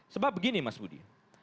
sebab begini mas budi